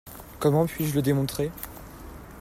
Comment puis-je le démontrer?